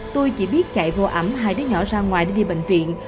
tôi chỉ biết chạy vô ẩm hai đứa nhỏ ra ngoài để đi bệnh viện